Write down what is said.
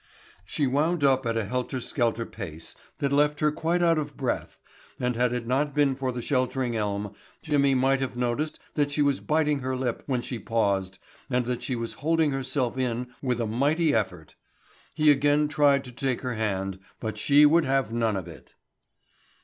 She wound up at a helter skelter pace that left her quite out of breath and had it not been for the sheltering elm Jimmy might have noticed that she was biting her lip when she paused and that she was holding herself in with a mighty effort. He again tried to take her hand, but she would have none of it.